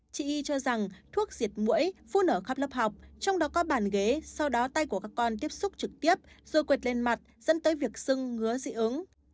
chị y cho rằng thuốc diệt mũi phun ở khắp lớp học trong đó có bàn ghế sau đó tay của các con tiếp xúc trực tiếp rồi quệt lên mặt dẫn tới việc sưng ngứa dị ứng